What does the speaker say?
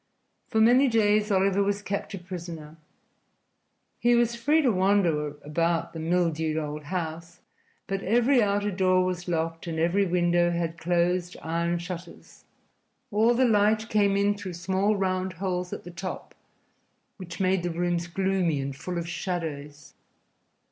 For many days Oliver was kept a prisoner. He was free to wander about the mildewed old house, but every outer door was locked and every window had closed iron shutters. All the light came in through small round holes at the top, which made the rooms gloomy and full of shadows.